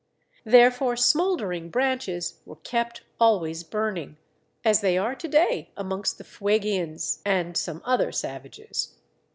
Therefore smouldering branches were kept always burning, as they are to day amongst the Fuegians and some other savages.